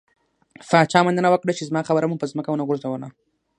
پاچا مننه وکړه، چې زما خبره مو په ځمکه ونه غورځوله.